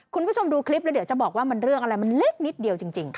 คุณผู้ชมดูคลิปแล้วเดี๋ยวจะบอกว่ามันเรื่องอะไรมันเล็กนิดเดียวจริง